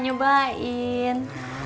saya pernah nyobain